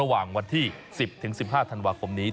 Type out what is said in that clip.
วันที่๑๐๑๕ธันวาคมนี้